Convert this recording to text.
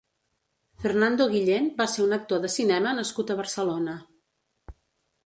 Fernando Guillén va ser un actor de cinema nascut a Barcelona.